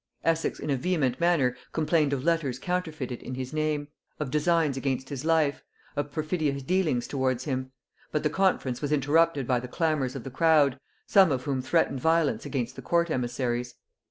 Essex in a vehement manner complained of letters counterfeited in his name, of designs against his life, of perfidious dealings towards him: but the conference was interrupted by the clamors of the crowd, some of whom threatened violence against the court emissaries.